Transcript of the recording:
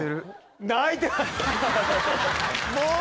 もう！